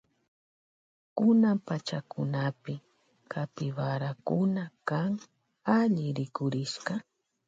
Kunan pachakunapi capibarakuna kan alli rikurishka.